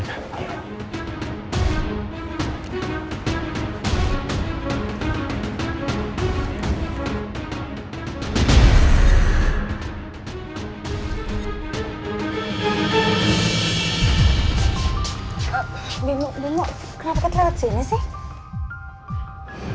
kenapa kita lewat sini sih